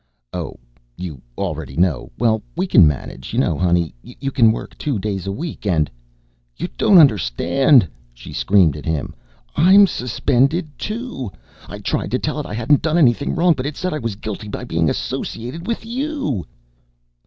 "Oh, you already know. Well, we can manage, you know, honey. You can work two days a week and " "You don't understand," she screamed at him. "I'm Suspended too! I tried to tell it I hadn't done anything but it said I was guilty by being associated with you."